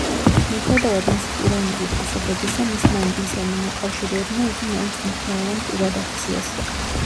მიუხედავად მისი პიროვნული თვისებებისა, მისმა ინგლისელმა მოკავშირეებმა იგი მაინც მნიშვნელოვან პირად აქციეს.